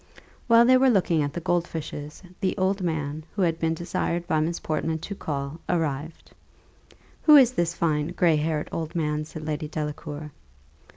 While they were looking at the gold fishes, the old man, who had been desired by Miss Portman to call, arrived. "Who is this fine, gray haired old man?" said Lady Delacour.